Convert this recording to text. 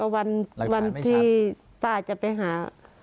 วันที่ป้าจะไปหา